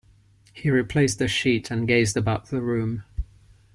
He replaced the sheet and gazed about the room.